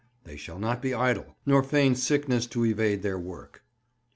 They shall not be idle, nor feign sickness to evade their work.